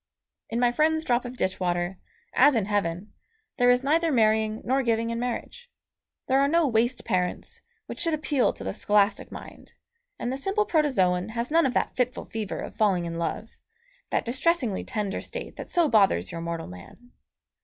In my friend's drop of ditch water, as in heaven, there is neither marrying nor giving in marriage. There are no waste parents, which should appeal to the scholastic mind, and the simple protozoon has none of that fitful fever of falling in love, that distressingly tender state that so bothers your mortal man.